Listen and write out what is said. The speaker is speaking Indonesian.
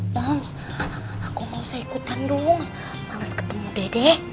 bams aku gak usah ikutan dong males ketemu dede